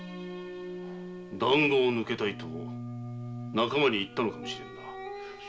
「談合を抜けたい」と仲間に言ったのかもしれぬな。